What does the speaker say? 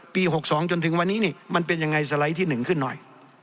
๖๒จนถึงวันนี้นี่มันเป็นยังไงสไลด์ที่๑ขึ้นหน่อย